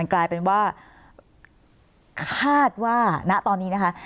กลายเป็นว่าคาดว่าณตอนนี้นะคะ